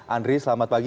andri selamat pagi